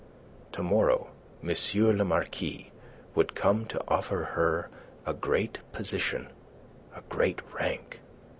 To morrow M. le Marquis would come to offer her a great position, a great rank.